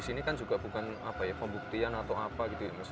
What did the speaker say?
dan saya juga di sini bukan pembuktian atau apa gitu ya mas